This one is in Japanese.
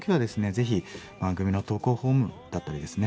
ぜひ番組の投稿フォームだったりですね